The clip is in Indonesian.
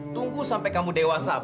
tunggu sampai kamu dewasa